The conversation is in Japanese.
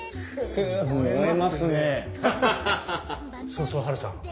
そうそうハルさん。